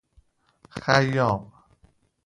خیام